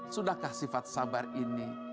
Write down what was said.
sudahkah sifat sabar ini